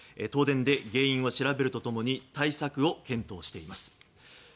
東電で、原因を調べると共に対策を検討しています。